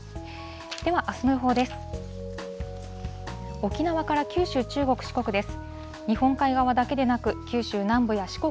ではあすの予報です。